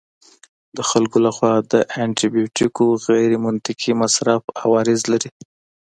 د خلکو لخوا د انټي بیوټیکو غیرمنطقي مصرف عوارض لري.